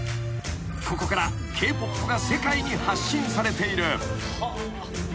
［ここからＫ−ＰＯＰが世界に発信されている］